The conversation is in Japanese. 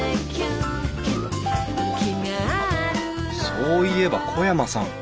そういえば小山さん